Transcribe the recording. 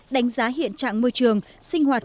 đánh giá hiện trạng môi trường sinh hoạt